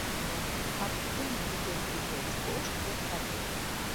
Հապկիդոն ունի երկու ոճ՝ կոշտ և փափուկ։